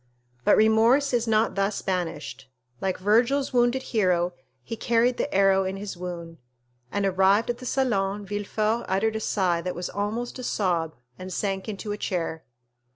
But remorse is not thus banished; like Virgil's wounded hero, he carried the arrow in his wound, and, arrived at the salon, Villefort uttered a sigh that was almost a sob, and sank into a chair.